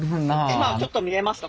今ちょっと見れますか？